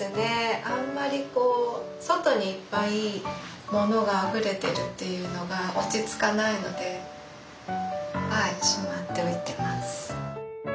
あんまりこう外にいっぱい物があふれてるっていうのが落ち着かないのではいしまって置いてます。